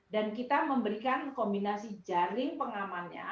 dan kita memberikan kombinasi jaring pengamannya